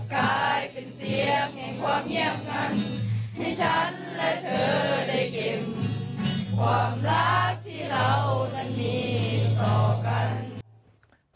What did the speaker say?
ความรักที่เรานั้นมีกัน